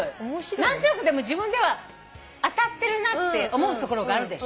何となくでも自分では当たってるなって思うところがあるでしょ？